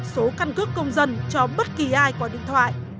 số căn cước công dân cho bất kỳ ai qua điện thoại